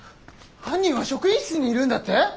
犯人は職員室にいるんだって！？